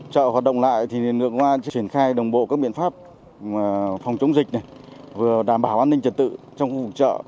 chợ hoạt động lại thì được chuyển khai đồng bộ các biện pháp phòng chống dịch đảm bảo an ninh trật tự trong khu vực chợ